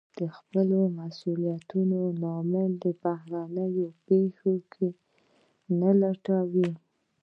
د خپلو مسوليتونو لاملونه په بهرنيو پېښو کې نه لټوي.